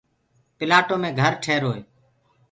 پلآٽو مي گھر ٺيهيروئي